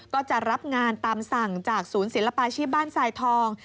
ก็จะรับงานตามสั่งจากศูนย์ศิลปาชีพบ้านทรายทอง